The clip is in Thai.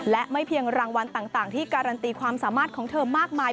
และไม่เพียงรางวัลต่างที่การันตีความสามารถของเธอมากมาย